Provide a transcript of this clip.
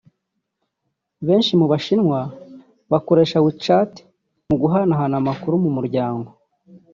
Benshi mu bashinwa bakoresha WeChat mu guhanahana amakuru mu muryango